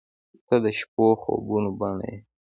• ته د شپو خوبونو بڼه یې.